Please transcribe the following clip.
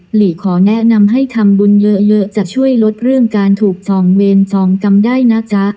หลีขอแนะนำให้ทำบุญเยอะจะช่วยลดเรื่องการถูกซองเวรซองกรรมได้นะจ๊ะ